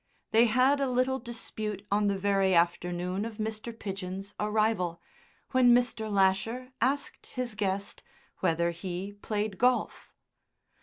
They had a little dispute on the very afternoon of Mr. Pidgen's arrival, when Mr. Lasher asked his guest whether he played golf.